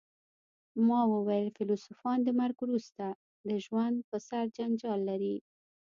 ما وویل فیلسوفان د مرګ وروسته ژوند په سر جنجال لري